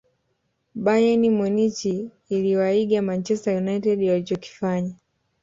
bayern munich iliwaiga manchester united walichokifanya